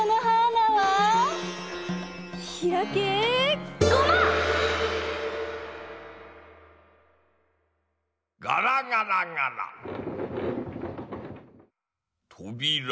ガラガラガラ。